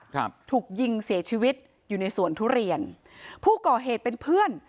ครับถูกยิงเสียชีวิตอยู่ในสวนทุเรียนผู้ก่อเหตุเป็นเพื่อน